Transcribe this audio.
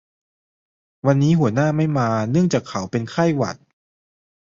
วันนี้หัวหน้าไม่มาเนื่องจากเขาเป็นไข้หวัด